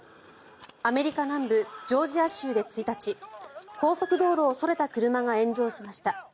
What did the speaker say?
アメリカ南部ジョージア州で１日高速道路をそれた車が炎上しました。